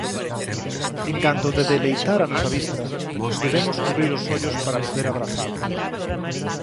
En canto de deleitar a nosa vista, debemos cubrir os ollos para poder abrazalo.